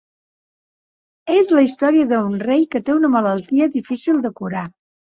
És la història d'un rei que té una malaltia difícil de curar.